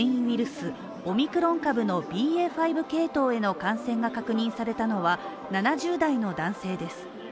スオミクロン株のＢＡ．５系統への感染が確認されたのは７０代の男性です。